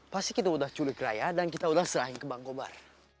pasti kita udah culik raya dan kita udah serahin ke bangkobar